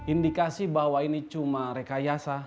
indikasi bahwa ini cuma rekayasa